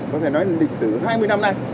có thể nói lịch sử hai mươi năm nay